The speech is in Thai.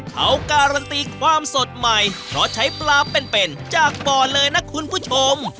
เขาการันตีความสดใหม่เพราะใช้ปลาเป็นจากบ่อเลยนะคุณผู้ชม